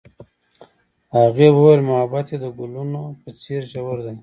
هغې وویل محبت یې د ګلونه په څېر ژور دی.